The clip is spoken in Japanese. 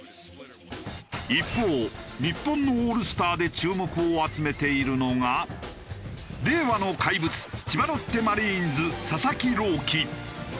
一方日本のオールスターで注目を集めているのが令和の怪物千葉ロッテマリーンズ佐々木朗希。